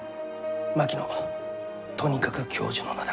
槙野とにかく教授の名だ。